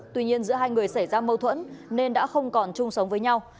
tuy nhiên giữa hai người xảy ra mâu thuẫn nên đã không còn chung sống với nhau